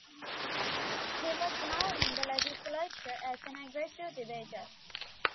He was known in the legislature as an aggressive debater.